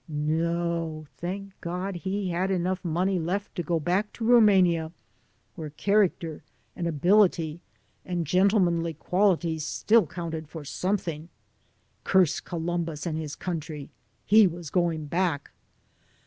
N09 thank God he had enough money left to go back to Rumania, where character and ability and gentlemanly qualities still counted for something. Curse Columbus and his country. He was going back.